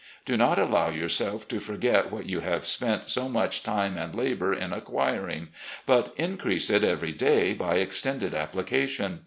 Do not allow yourself to forget what you have spent so much time and labour in acquiring, but increase it every day by extended application.